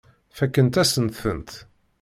Fakkent-asent-tent.